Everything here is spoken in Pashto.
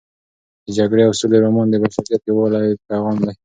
د جګړې او سولې رومان د بشریت د یووالي پیغام دی.